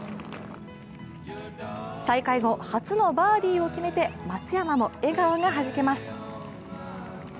再開後、初のバーディーを決めて松山の笑顔がはじけます。